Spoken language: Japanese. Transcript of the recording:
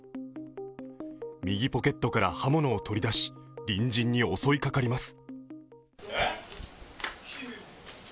右ポケットから刃物を取り出し、隣人に襲いかかります。